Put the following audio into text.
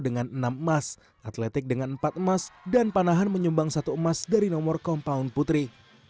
dengan enam emas atletik dengan empat emas dan panahan menyumbang satu emas dari nomor compound putri